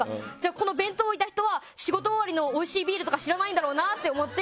この弁当を置いた人は仕事終わりのおいしいビールとか知らないんだろうって思って。